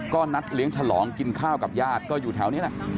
ก็นัดเลี้ยงฉลองกินข้าวกับญาติก็อยู่แถวนี้แหละ